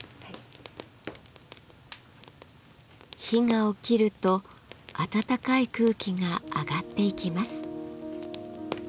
火がおきると暖かい空気が上がっていきます。